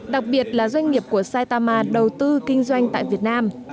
đặc biệt là doanh nghiệp của saitama đầu tư kinh doanh tại việt nam